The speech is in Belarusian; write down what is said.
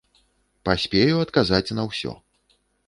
Паспею адказаць на ўсё!